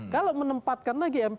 kalau menempatkan lagi mpp